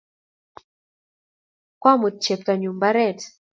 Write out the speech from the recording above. koamut cheptonyu mbaret